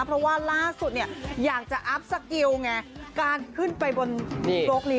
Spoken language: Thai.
เพราะว่าล่าสุดเนี่ยอยากจะอัพสกิลไงการขึ้นไปบนโลกนี้